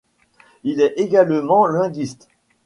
Il est également linguiste.